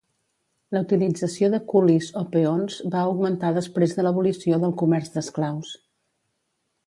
La utilització de culis o peons va augmentar després de l'abolició del comerç d'esclaus.